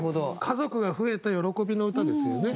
家族が増えた喜びの歌ですよね。